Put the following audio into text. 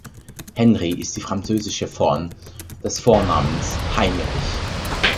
Henri ist die französische Form des Vornamens Heinrich.